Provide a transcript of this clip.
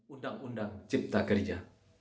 undang undang cipta kerja